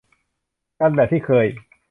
กันแบบที่เคย